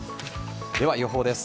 では予報です。